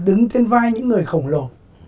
đứng trên vai những người khổng lồ